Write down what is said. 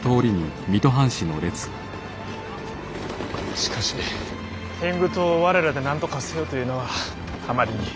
しかし天狗党を我らでなんとかせよというのはあまりに。